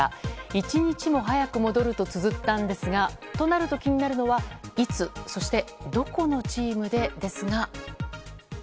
一日も早く戻るとつづったんですがとなると気になるのはいつ、そしてどこのチームでですが。